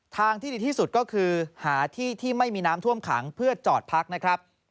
ทางที่ดีที่สุดก็คือหาที่ที่ไม่มีน้ำท่วมขังเพื่อจอดพักนะครับ